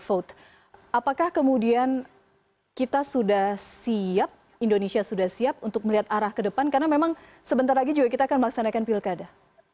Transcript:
apakah kemudian kita sudah siap indonesia sudah siap untuk melihat arah ke depan karena memang sebentar lagi juga kita akan melaksanakan pilkada